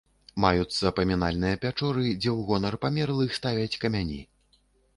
Маюцца памінальныя пячоры, дзе ў гонар памерлых ставяць камяні.